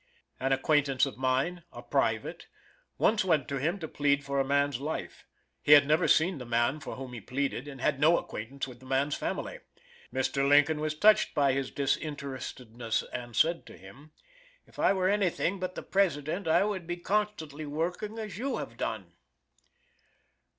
An acquaintance of mine a private once went to him to plead for a man's life. He had never seen the man for whom he pleaded, and had no acquaintance with the man's family. Mr. Lincoln was touched by his disinterestedness, and said to him: "If I were anything but the President, I would be constantly working as you have done."